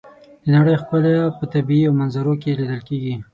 د نړۍ ښکلا په طبیعي منظرو کې لیدل کېږي.